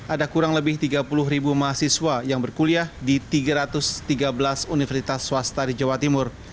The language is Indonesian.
ada kurang lebih tiga puluh ribu mahasiswa yang berkuliah di tiga ratus tiga belas universitas swasta di jawa timur